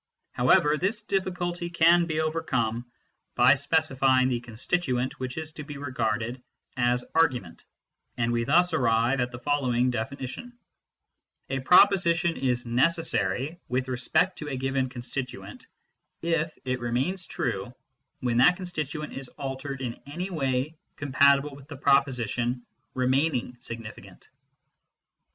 However, this difficulty can be overcome by specifying the constituent which is to be regarded as argument, and we thus arrive at the following definition :" A proposition is necessary with respect to a given constituent if it remains true when that constituent is altered in any way compatible with the proposition re maining significant."